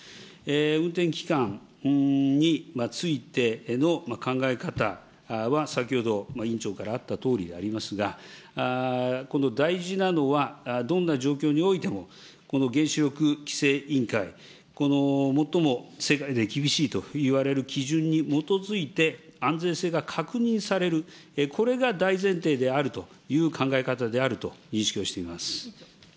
運転期間についての考え方は先ほど、委員長からあったとおりでありますが、大事なのは、どんな状況においても、この原子力規制委員会、最も世界で厳しいといわれる基準に基づいて安全性が確認される、これが大前提であるという考え方であると認識をしております。